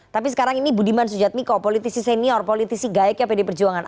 tapi sekarang ini budiman sujatmiko politisi senior politisi gayaknya pdip perjuangan